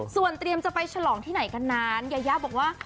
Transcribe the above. ส่วนเตรียมจะไปฉลองที่ไหนกันนั้นยายาบอกว่า